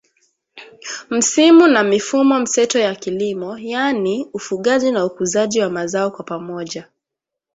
msimu na mifumo mseto ya kilimo yaani ufugaji na ukuzaji wa mazao kwa pamoja